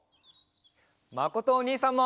まことおにいさんも。